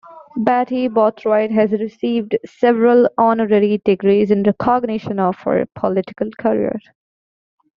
Betty Boothroyd has received several honorary degrees in recognition of her political career.